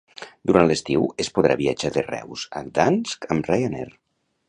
Durant l'estiu es podrà viatjar de Reus a Gdansk amb Ryanair.